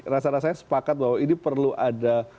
rasa rasanya sepakat bahwa ini perlu ada